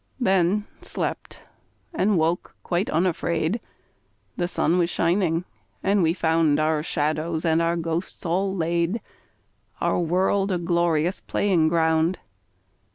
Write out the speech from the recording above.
Then slept, and woke quite unafraid. The sun was shining, and we found Our shadows and our ghosts all laid, Our world a glorious playing ground.